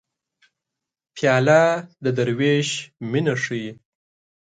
پیاله د دروېش مینه ښيي.